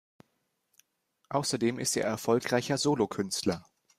Außerdem ist er erfolgreicher Solokünstler.